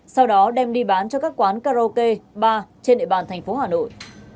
sau đó đem đi bán cho các quán karaoke ba trên địa bàn thành phố hà nội